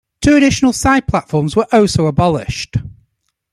Two additional side platforms were also abolished.